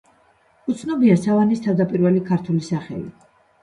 უცნობია სავანის თავდაპირველი ქართული სახელი.